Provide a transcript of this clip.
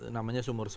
namanya sumur soco satu